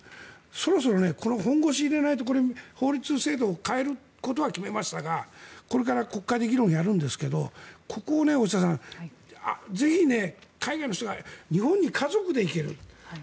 そろそろ本腰を入れないとこれ、法律、制度を変えることは決めましたがこれから国会で議論をやるんですがここをぜひ海外の人が日本に家族で行けると。